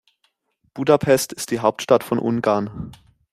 Budapest ist die Hauptstadt von Ungarn.